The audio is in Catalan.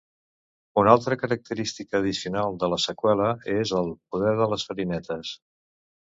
Una altra característica addicional de la seqüela és el "poder de les farinetes".